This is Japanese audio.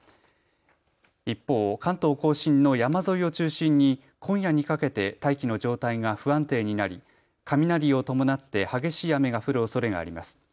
一方、関東甲信の山沿いを中心に今夜にかけて大気の状態が不安定になり雷を伴って激しい雨が降るおそれがあります。